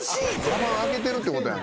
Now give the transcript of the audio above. かばん開けてるってことや。